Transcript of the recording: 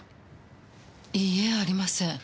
いいえありません。